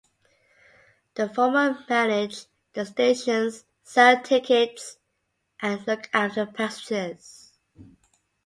The former manage the stations, sell tickets and look after passengers.